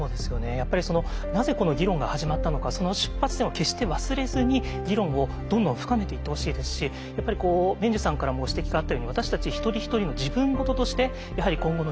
やっぱりなぜこの議論が始まったのかその出発点を決して忘れずに議論をどんどん深めていってほしいですしやっぱり毛受さんからもご指摘があったように私たち一人一人の自分事としてやはり今後の議論